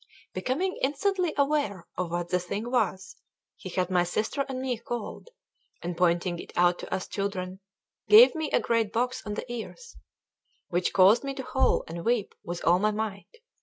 Becoming instantly aware of what the thing was, he had my sister and me called, and pointing it out to us children, gave me a great box on the ears, which caused me to howl and weep with all my might.